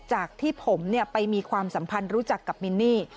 จากที่ผมไปมีความสัมพันธ์รู้จักกับมินนี่